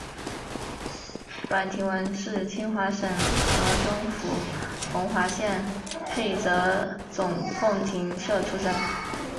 阮廷闻是清化省河中府弘化县沛泽总凤亭社出生。